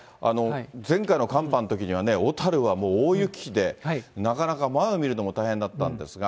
前回の寒波のときにはね、小樽は大雪で、なかなか前を見るのも大変だったんですが。